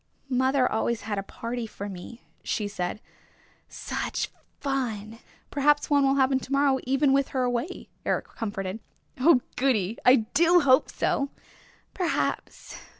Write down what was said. "Mother always had a party for me," she said. "Such fun!" "Perhaps one will happen to morrow even with her away," Eric comforted. "Oh, goody! I do hope so!" "Perhaps.